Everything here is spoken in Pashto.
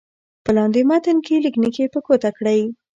په لاندې متن کې لیک نښې په ګوته کړئ.